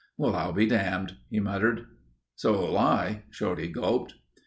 "Well, I'll be damned," he muttered. "So'll I," Shorty gulped.